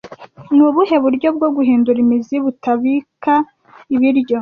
Ni ubuhe buryo bwo guhindura imizi butabika ibiryo